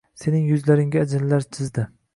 Sening yuzlaringga ajinlar chizdi